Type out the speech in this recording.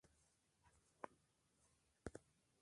دوه تنه ترکان په یاغستان کې قبایل ولمسول.